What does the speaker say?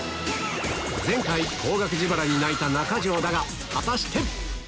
前回高額自腹に泣いた中条だが果たして？